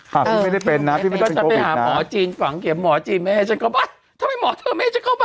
คำไม่ได้เป็นอ่ะอาพี่ไม่ได้เป็นน่ะจะไปหาหมอจีนฝังเข็มหมอจีนไม่ให้ฉันเข้าเอ๊ะ